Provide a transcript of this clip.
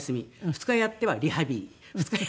２日やってはリハビリ。